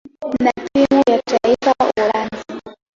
na timu ya taifa ya Uholanzi.